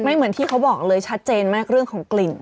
เหมือนที่เขาบอกเลยชัดเจนมากเรื่องของกลิ่น